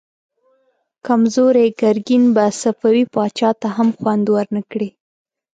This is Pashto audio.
کمزوری ګرګين به صفوي پاچا ته هم خوند ورنه کړي.